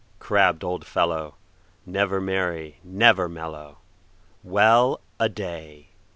crabbed old fellow, Never merry, never mellow! Well a day!